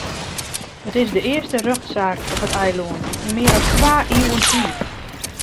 It is de earste rjochtsaak op it eilân yn mear as twa iuwen tiid.